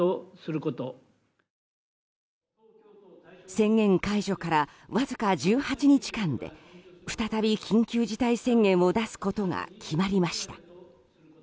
宣言解除からわずか１８日間で再び、緊急事態宣言を出すことが決まりました。